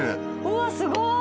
うわっすごい。